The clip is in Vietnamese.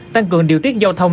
tăng cường điều tiết giao thông